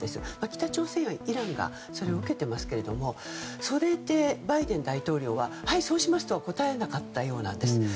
北朝鮮やイランがそれを受けていますがそれでバイデン大統領ははい、そうしますとは答えなかったようなんです。